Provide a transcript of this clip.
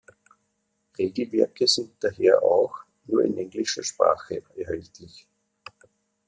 Regelwerke sind daher auch nur in englischer Sprache erhältlich.